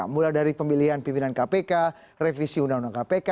mulai dari pemilihan pimpinan kpk revisi undang undang kpk